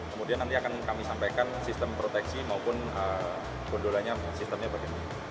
kemudian nanti akan kami sampaikan sistem proteksi maupun gondolanya sistemnya bagaimana